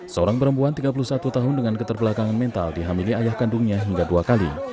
seorang perempuan tiga puluh satu tahun dengan keterbelakangan mental dihamili ayah kandungnya hingga dua kali